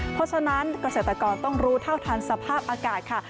เพราะฉะนั้นเกษตรกรต้องรู้เท่าทันสภาพอากาศค่ะ